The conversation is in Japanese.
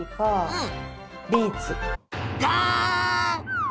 うん！